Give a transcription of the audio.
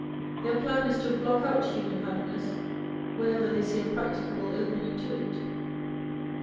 Their plan is to Uock out human happiness wherever they see a practicable opening to it.